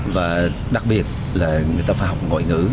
và đặc biệt là người ta phải học ngoại ngữ